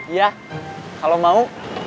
iya kalau mau